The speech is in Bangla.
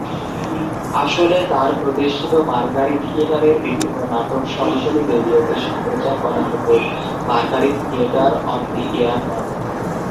আসলে তার প্রতিষ্ঠিত মার্কারি থিয়েটারের বিভিন্ন নাটক সরাসরি রেডিওতে সম্প্রচার করা হতো "Mercury Theatre on the Air" নামে।